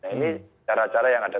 nah ini cara cara yang ada